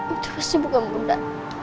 itu pasti bukan bunda